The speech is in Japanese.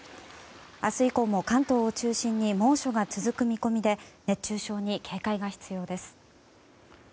明日以降も関東を中心に猛暑が続く見込みで熱中症に警戒が必要です。